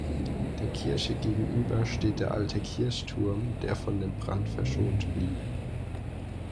Der Kirche gegenüber steht der alte Kirchturm, der von dem Brand verschont blieb.